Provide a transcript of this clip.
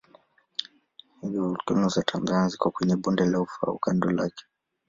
Hivyo volkeno za Tanzania ziko kwenye bonde la Ufa au kando lake.